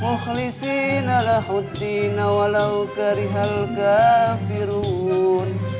mukhlisina lahuddina walau karihal kafirun